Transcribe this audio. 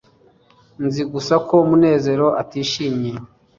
nzi gusa ko munezero atishimye